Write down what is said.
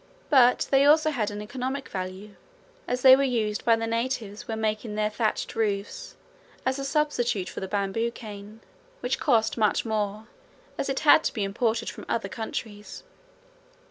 But they also had an economic value, as they were used by the natives when making their thatched roofs as a substitute for the bamboo cane, which cost much more as it had to be imported from other countries.